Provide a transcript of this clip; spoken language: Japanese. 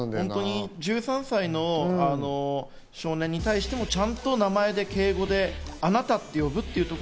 １３歳の少年に対してもちゃんと名前で、敬語で「あなた」って呼ぶ。